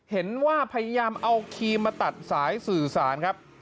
เห็นว่าพยายามเอาครีมมาตัดสายสื่อสารครับ